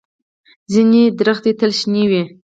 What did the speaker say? ځینې ونې تل شنې وي